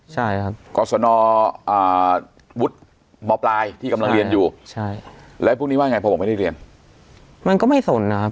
ใช่ครับกรสนวุฒิมปลายที่กำลังเรียนอยู่ใช่แล้วพวกนี้ว่าไงพอผมไม่ได้เรียนมันก็ไม่สนนะครับ